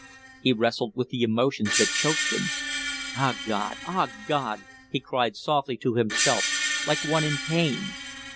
He wrestled with the emotions that choked him. "Ah, God! Ah, God!" he cried softly to himself like one in pain.